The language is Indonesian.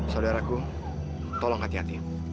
saudaraku tolong hati hati